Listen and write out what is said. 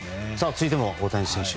続いても大谷選手。